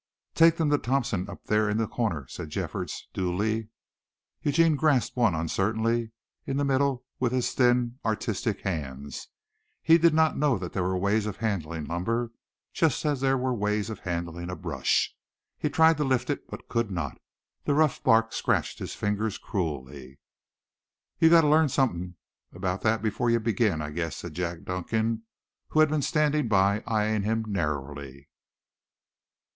"Take 'em to Thompson up there in the corner," said Jeffords dully. Eugene grasped one uncertainly in the middle with his thin, artistic hands. He did not know that there were ways of handling lumber just as there were ways of handling a brush. He tried to lift it but could not. The rough bark scratched his fingers cruelly. "Yah gotta learn somepin about that before yuh begin, I guess," said Jack Duncan, who had been standing by eyeing him narrowly.